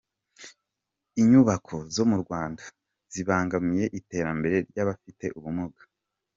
Inyubako zo mu Rwanda zibangamiye iterambere ry’abafite ubumuga